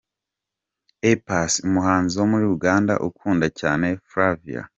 A Pass umuhanzi wo muri Uganda ukunda cyane Flavia.